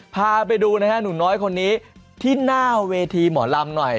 พาไปดูนะฮะหนูน้อยคนนี้ที่หน้าเวทีหมอลำหน่อย